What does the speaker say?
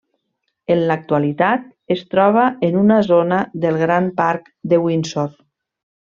En l'actualitat es troba en una zona del gran parc de Windsor.